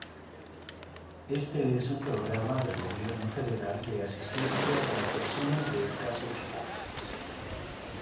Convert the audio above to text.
Este es un programa del Gobierno federal de asistencia para personas de escasos recursos.